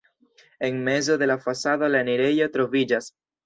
En mezo de la fasado la enirejo troviĝas.